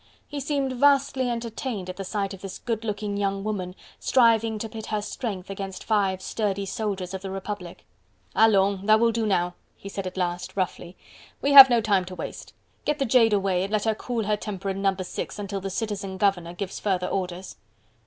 He seemed vastly entertained at the sight of this good looking young woman striving to pit her strength against five sturdy soldiers of the Republic. "Allons! that will do now!" he said at last roughly. "We have no time to waste! Get the jade away, and let her cool her temper in No. 6, until the citizen governor gives further orders.